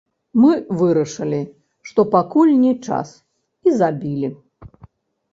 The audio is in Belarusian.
Мы вырашылі, што пакуль не час, і забілі.